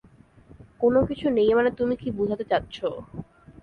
কোনো কিছু নেই মানে তুমি কি বুঝাতে চাচ্ছ।